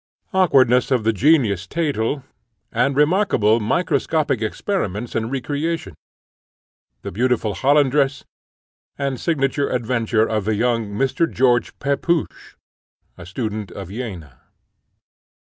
Awkwardness of the Genius, Thetel, and remarkable microscopic experiments and recreations. The beautiful Hollandress, and singular adventure of the young Mr. George Pepusch, a student of Jena.